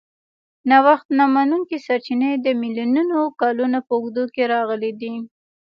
نوښت نه منونکي سرچینې د میلیونونو کالونو په اوږدو کې راغلي دي.